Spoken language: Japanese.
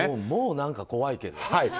もう何か怖いけど。